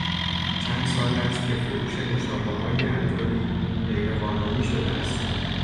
چند سال است که فروش نوشابههای الکلی غیرقانونی شده است.